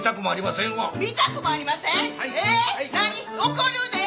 怒るで！